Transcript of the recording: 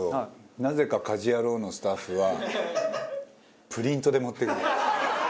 なぜか『家事ヤロウ！！！』のスタッフはプリントで持ってくるの。